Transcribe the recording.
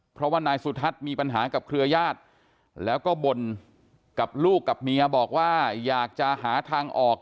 เพราะว่านายสุทัศน์มีปัญหากับเครือญาติแล้วก็บ่นกับลูกกับเมียบอกว่าอยากจะหาทางออก